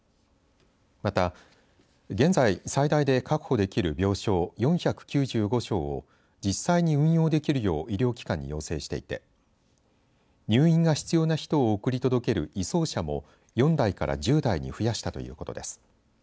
また、現在最大で確保できる病床４９５床を実際に運用できるよう医療機関に要請していて入院が必要な人を送り届ける移送車も４台から１０台に増やしたということです。